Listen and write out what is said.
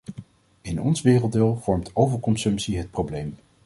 In ons werelddeel vormt overconsumptie het probleem.